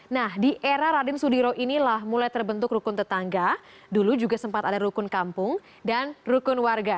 nah di era raden sudiro inilah mulai terbentuk rukun tetangga dulu juga sempat ada rukun kampung dan rukun warga